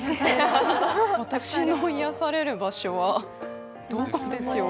私の癒やされる場所はどこでしょう？